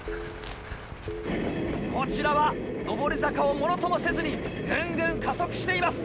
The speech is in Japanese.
こちらは上り坂をものともせずにぐんぐん加速しています